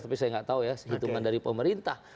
tapi saya nggak tahu ya hitungan dari pemerintah